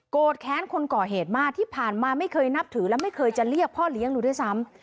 แค้นคนก่อเหตุมากที่ผ่านมาไม่เคยนับถือและไม่เคยจะเรียกพ่อเลี้ยงดูด้วยซ้ำ